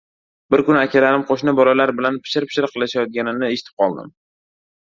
Bir kuni akalarim qo‘shni bolalar bilan pichir-pichir qilishayot- ganini eshitib qoldim: